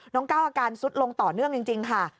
ก้าวอาการสุดลงต่อเนื่องจริงค่ะ